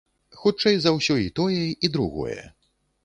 Хутчэй за ўсё, і тое і другое.